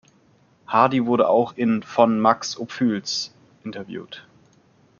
Hardy wurde auch in von Max Ophüls interviewt.